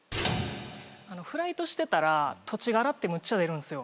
フライトしてたら土地柄ってむっちゃ出るんすよ。